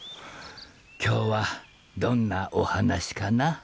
今日はどんなお話かな？